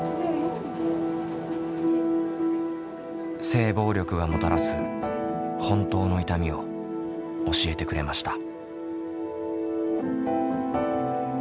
性暴力がもたらす「本当の痛み」を教えてくれました。